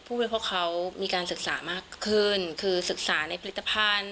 ผู้เป็นพวกเขามีการศึกษามากขึ้นคือศึกษาในผลิตภัณฑ์